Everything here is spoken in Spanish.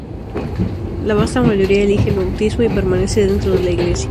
La vasta mayoría elige el bautismo y permanece dentro de la iglesia.